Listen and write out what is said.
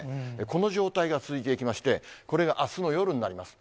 この状態が続いていきまして、これがあすの夜になります。